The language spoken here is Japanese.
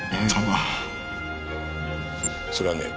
それはね